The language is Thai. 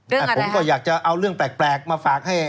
เรื่องอะไรครับผมก็อยากจะเอาเรื่องแปลกมาฝาก